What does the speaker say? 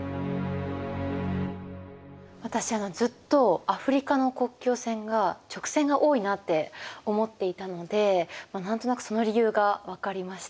私ずっとアフリカの国境線が直線が多いなって思っていたので何となくその理由が分かりました。